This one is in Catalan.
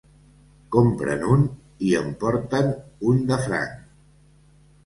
Compra'n un i emporta-te'n un de franc.